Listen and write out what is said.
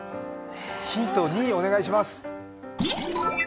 ヒント２、お願いします。